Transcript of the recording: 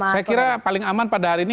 saya kira paling aman pada hari ini